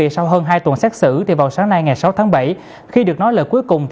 sau hơn hai tuần xét xử vào sáng nay ngày sáu tháng bảy khi được nói lời cuối cùng